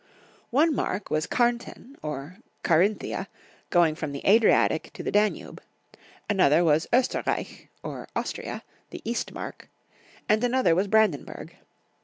One mark was Karnthen or Carinthia, going from the Adriatic to the Danube; another was (Esterreich or Austria, the East Mark; and another was Brandenburg.